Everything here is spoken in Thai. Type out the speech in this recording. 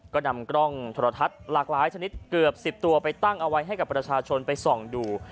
ก็นำกล้องโทรทัศน์หลากหลายชนิดเกือบ๑๐ตัวไปตั้งเอาไว้ให้กับประชาชนไปส่องดู